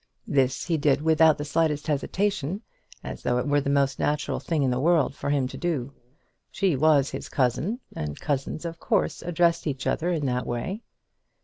This he did without the slightest hesitation, as though it were the most natural thing in the world for him to do. She was his cousin, and cousins of course addressed each other in that way.